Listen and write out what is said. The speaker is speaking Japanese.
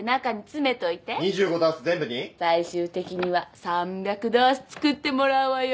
最終的には３００ダース作ってもらうわよ。